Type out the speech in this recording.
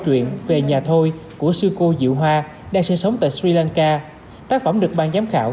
chuyện về nhà thôi của sư cô diệu hoa đang sinh sống tại sri lanka tác phẩm được ban giám khảo